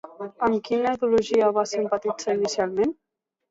Amb quina ideologia va simpatitzar inicialment?